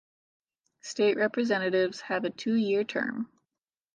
State Representatives have a two-year term.